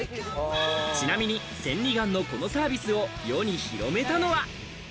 ちなみに千里眼のこのサービスを世に広めたのは。